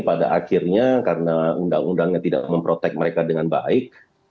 pada akhirnya karena undang undangnya tidak memprotek mereka dengan baik